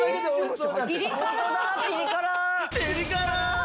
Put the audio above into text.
ピリ辛！